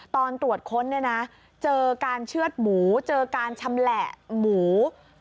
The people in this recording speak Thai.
ตอนตรวจค้นเนี่ยนะเจอการเชื่อดหมูเจอการชำแหละหมู